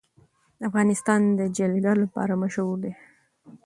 افغانستان د جلګه لپاره مشهور دی.